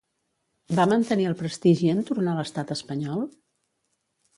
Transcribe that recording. Va mantenir el prestigi en tornar a l'estat espanyol?